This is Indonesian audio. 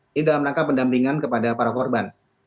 ini dalam rangka pendampingan kepada para korban